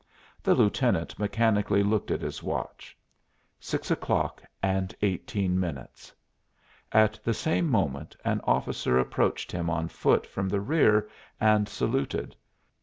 The lieutenant mechanically looked at his watch. Six o'clock and eighteen minutes. At the same moment an officer approached him on foot from the rear and saluted.